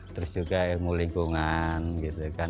terus juga ilmu lingkungan